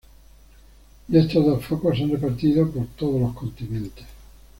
De estos dos focos se han repartido por todos los continentes.